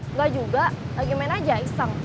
enggak juga lagi main aja iseng